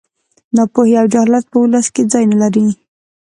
ناپوهي او جهالت په ولس کې ځای نه لري